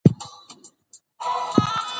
انګریزي لښکر به تېښته کوي.